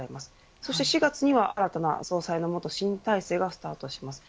そして４月には、新たな総裁の下新体制がスタートします。